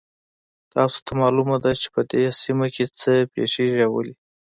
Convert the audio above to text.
تاسو ته معلومه ده چې په دې سیمه کې څه پېښیږي او ولې